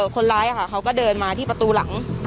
คนร้ายเขาก็เดินมาที่ประตูหลัง